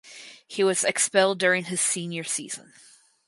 He was expelled during his senior season.